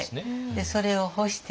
それを干している。